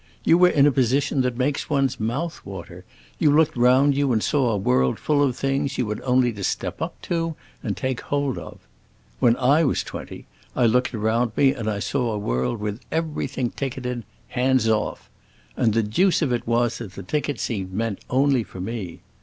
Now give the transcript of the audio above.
You were in a position that makes one's mouth water; you looked round you and saw a world full of things you had only to step up to and take hold of. When I was twenty, I looked around me and saw a world with everything ticketed 'Hands off!' and the deuce of it was that the ticket seemed meant only for me.